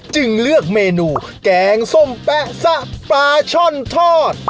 จึงเลือกเมนูแกงส้มแป๊ะซะปลาช่อนทอด